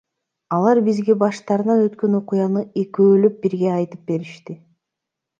Алар бизге баштарынан өткөн окуяны экөөлөп бирге айтып беришти.